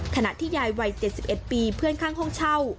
ขณะที่ยายวัย๗๑ปีเพื่อนข้างห้องเช่า